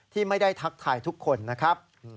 ที่ไม่ได้ทักทายทุกคนนะครับ